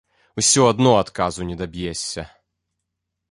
Усё адно адказу не даб'ешся.